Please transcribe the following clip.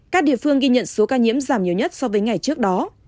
các địa phương ghi nhận số ca nhiễm giảm nhiều nhất so với ngày trước đó